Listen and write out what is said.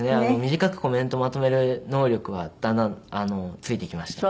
短くコメントをまとめる能力はだんだんついてきました。